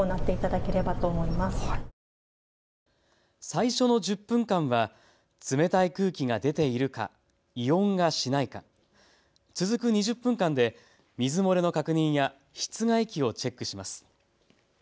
最初の１０分間は冷たい空気が出ているか、異音がしないか、続く２０分間で水漏れの確認や室外機をチェックします。